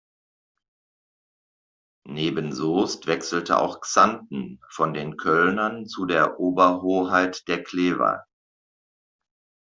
Neben Soest wechselte auch Xanten von den Kölnern zu der Oberhoheit der Klever.